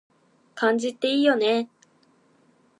漢字っていいよね